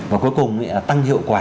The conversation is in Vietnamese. và cuối cùng tăng hiệu quả